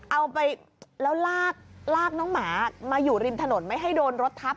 เอาไปแล้วลากน้องหมามาอยู่ริมถนนไม่ให้โดนรถทับ